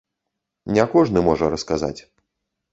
Не кожны можа расказаць.